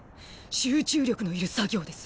集中力のいる作業です。